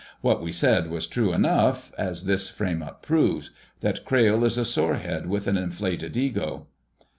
What we said was true enough, as this frame up proves—that Crayle is a sorehead, with an inflated ego."